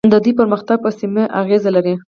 د دوی پرمختګ په سیمه اغیز لري.